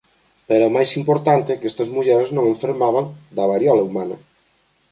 Pero o máis importante é que estas mulleres non enfermaban da varíola humana.